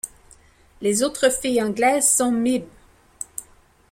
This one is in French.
Les autres filles anglaises sont miß.